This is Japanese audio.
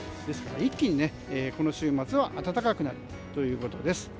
ですから一気にこの週末は暖かくなるということです。